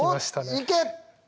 いけ！